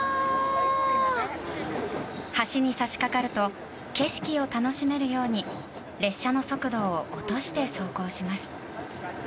橋に差し掛かると景色を楽しめるように列車の速度を落として走行します。